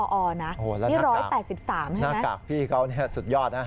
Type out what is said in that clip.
โอ้โหแล้วหน้ากากนี่๑๘๓ใช่ไหมหน้ากากพี่เขาสุดยอดนะ